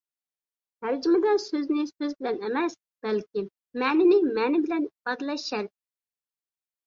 تەرجىمىدە «سۆزنى سۆز بىلەن» ئەمەس، بەلكى «مەنىنى مەنە بىلەن» ئىپادىلەش شەرت.